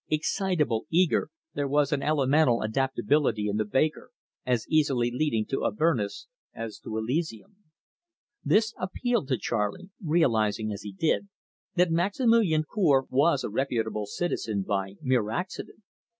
Excitable, eager, there was an elemental adaptability in the baker, as easily leading to Avernus as to Elysium. This appealed to Charley, realising, as he did, that Maximilian Cour was a reputable citizen by mere accident.